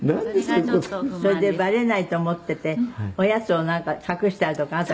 「それでバレないと思ってておやつをなんか隠したりとかあなたご存じなんですって？」